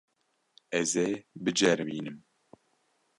Ez ê biceribînim.